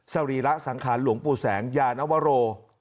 สรีระสังขารหลวงปู่แสงยานวโร